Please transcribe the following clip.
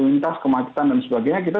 lintas kemacetan dan sebagainya kita